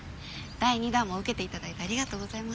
第２弾も受けて頂いてありがとうございます。